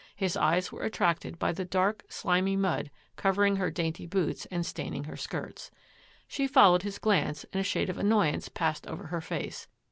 His eyes were attracted by the dark, slimy mud covering her dainty boots and staining her skirts. She followed his glance and a shade of annoy ance passed over her face.